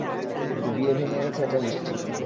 কিন্তু বিয়ে ভেঙ্গে গেছে এটা নিশ্চিত।